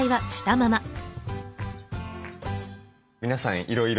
皆さんいろいろ。